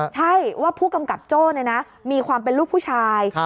ใช่ว่าผู้กำกับโจ้มีความเป็นลูกผู้ชาย